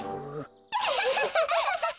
アハハハハ！